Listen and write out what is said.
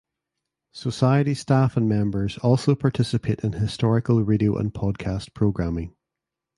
Society staff and members also participate in historical radio and podcast programming.